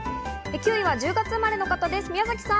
９位は１０月生まれの方です、宮崎さん。